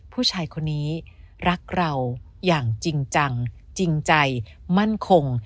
ผู้ชายคนนี้รักเราอย่างจริงจังจริงใจมั่นคง